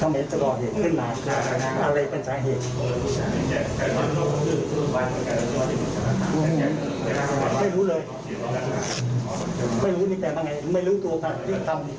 ไม่ไม่